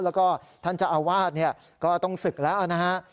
แล้วก็ท่านเจ้าอาวาสก็ต้องศึกแล้วนะฮะ